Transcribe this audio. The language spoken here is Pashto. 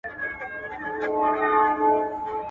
سل ځله مي خبر کړل چي راغلی دی توپان.